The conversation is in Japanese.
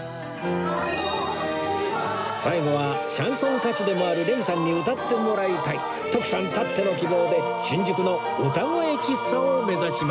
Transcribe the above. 最後はシャンソン歌手でもあるレミさんに歌ってもらいたい徳さんたっての希望で新宿のうたごえ喫茶を目指します